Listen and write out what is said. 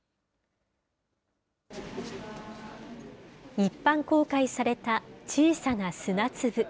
一般公開された小さな砂粒。